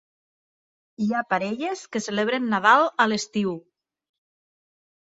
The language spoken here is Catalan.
Hi ha parelles que celebren Nadal a l'estiu.